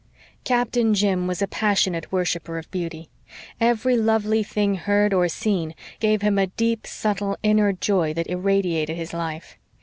Captain Jim was a passionate worshipper of beauty. Every lovely thing heard or seen gave him a deep, subtle, inner joy that irradiated his life.